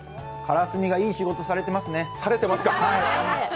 からすみがいい仕事されてますね。